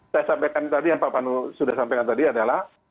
saya sampaikan tadi yang pak pandu sudah sampaikan tadi adalah